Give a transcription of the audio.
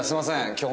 今日